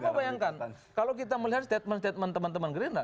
coba bayangkan kalau kita melihat statement statement teman teman gerindra